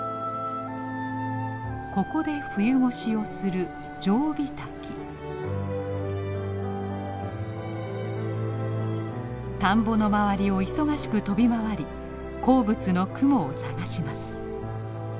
ここで冬越しをする田んぼの周りを忙しく飛び回り好物のクモを探します。